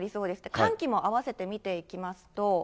寒気も併せて見ていきますと。